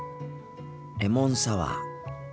レモンサワー。